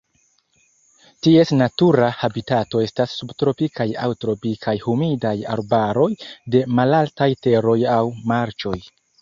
Ties natura habitato estas subtropikaj aŭ tropikaj humidaj arbaroj de malaltaj teroj aŭ marĉoj.